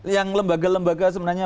yang lembaga lembaga sebenarnya